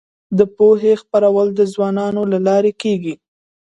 د پوهې خپرول د ځوانانو له لارې کيږي.